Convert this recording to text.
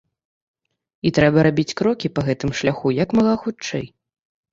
І трэба рабіць крокі па гэтаму шляху як мага хутчэй.